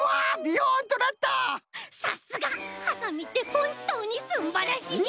さすがハサミってほんとうにすんばらしい！